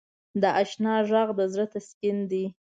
د اشنا ږغ د زړه تسکین دی.